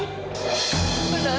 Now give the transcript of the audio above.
kamu mau cuci tangan